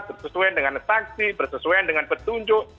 bersesuaian dengan saksi bersesuaian dengan petunjuk